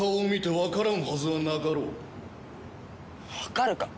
わかるか！